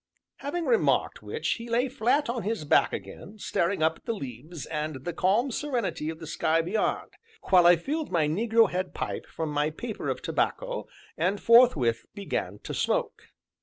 Having remarked which, he lay flat on his back again, staring up at the leaves, and the calm serenity of the sky beyond, while I filled my negro head pipe from my paper of tobacco, and forthwith began to smoke.